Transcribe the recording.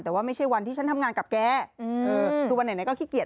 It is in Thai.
แต่ว่าไม่ใช่วันที่ฉันทำงานกับแกคือวันไหนก็ขี้เกียจ